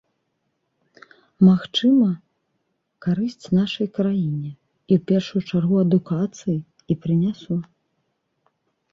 Магчыма, карысць нашай краіне, і ў першую чаргу адукацыі і прынясу.